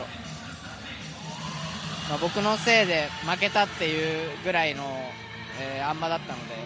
僕のせいで負けたというぐらいのあん馬だったので。